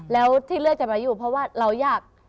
แล้วที่เลือกจะมาอยู่เพราะว่าเราอยาก